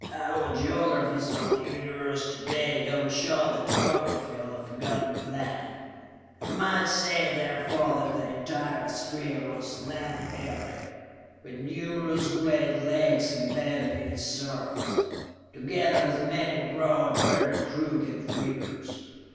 Our geographies of the Universe to day do not show the topography of the Forgotten Planet: I might say, therefore, that the entire sphere was land area, with numerous great lakes embedded in its surface, together with many broad, very crooked rivers.